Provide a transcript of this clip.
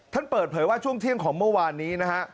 ท่านเปิดเผยว่าช่วงเที่ยงของเมื่อวานนี้